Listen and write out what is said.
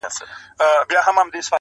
بل ئې يو ماشوم له پلاره ليري کړ.